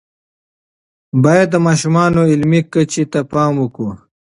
باید د ماشومانو علمی کچې ته پام وکړو.